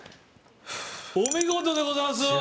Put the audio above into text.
お見事でございます！